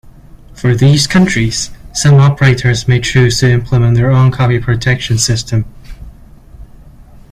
For these countries, some operators may choose to implement their own copy protection system.